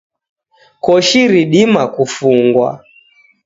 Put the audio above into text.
Koshi ridima kufundwa.